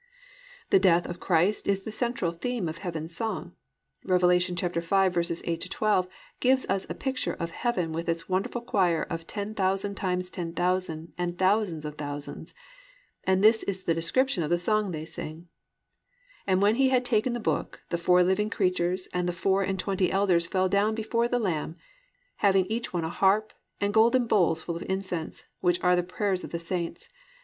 5. The death of Christ is the central theme of heaven's song. Rev. 5:8 12 gives us a picture of heaven with its wonderful choir of ten thousand times ten thousand and thousands of thousands, and this is the description of the song they sing: +"And when he had taken the book, the four living creatures and the four and twenty elders fell down before the Lamb, having each one a harp, and golden bowls full of incense, which are the prayers of the saints.